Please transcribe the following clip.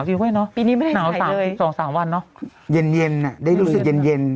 แต่ว่าแม่ไม่อิ่น